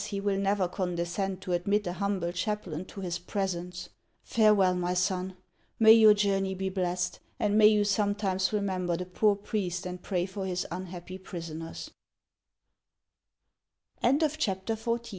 he will never condescend to admit a humble chaplain to his presence. Farewell, my son ; may your journey be blessed, and may you sometimes remember the poor priest and pray for his unha